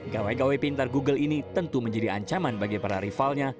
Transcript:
gawai gawai pintar google ini tentu menjadi ancaman bagi para rivalnya